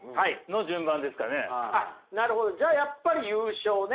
なるほどじゃあやっぱり優勝ね。